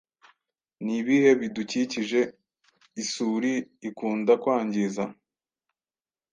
Ni ibihe bidukikije isuri ikunda kwangiza?